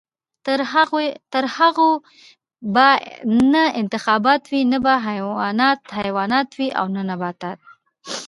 تر هغو به نه انتخابات وي، نه به حیوانات حیوانات وي او نه نباتات.